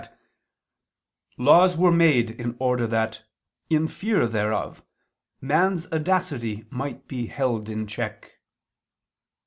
v, 20) that "laws were made in order that, in fear thereof, man's audacity might be held in check."